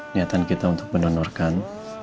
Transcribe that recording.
niatan kita untuk menonorkan